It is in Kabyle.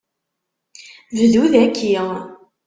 Bdu daki!